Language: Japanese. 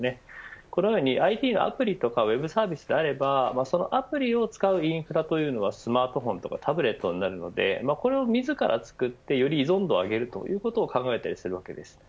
このように、ＩＴのアプリやウェブサービスであればそのアプリを使うインフラというのはスマートフォンやタブレットになるのでこれを自ら作ってより依存度を上げるということを考えたりするわけです。